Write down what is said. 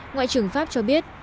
ngoại trưởng pháp cho biết